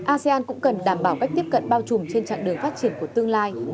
asean cũng cần đảm bảo cách tiếp cận bao trùm trên chặng đường phát triển của tương lai